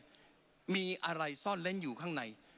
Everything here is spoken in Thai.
หายไปเนี่ยมีอะไรซ่อนเล้นอยู่ข้างใน